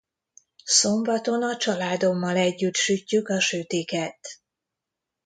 Szombaton a családommal együtt sütjük a sütiket.